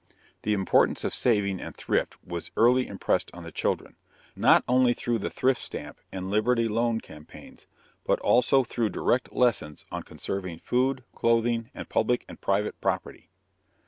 The importance of saving and thrift was early impressed on the children, not only through the thrift stamp and Liberty loan campaigns, but also through direct lessons on conserving food, clothing, and public and private property.